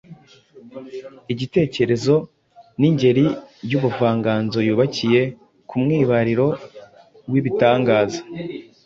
Igitekerezo ni ingeri y’ubuvanganzo yubakiye ku mwibariro w’ibitangaza